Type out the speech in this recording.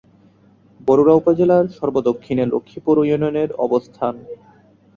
বরুড়া উপজেলার সর্ব-দক্ষিণে লক্ষ্মীপুর ইউনিয়নের অবস্থান।